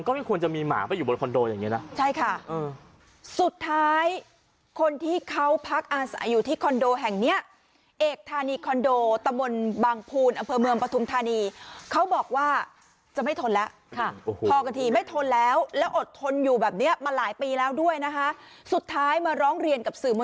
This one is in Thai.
คือต้องบอกว่าคอนโดนนี่เป็นคอนโดที่เอ่อสร้างมานานแล้ว